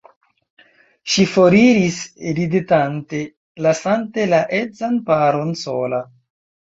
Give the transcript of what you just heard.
Ŝi foriris ridetante, lasante la edzan paron sola.